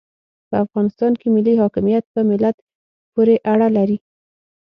په افغانستان کې ملي حاکمیت په ملت پوري اړه لري.